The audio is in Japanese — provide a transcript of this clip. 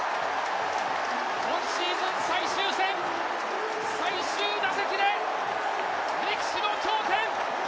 今シーズン最終戦最終打席で歴史の頂点。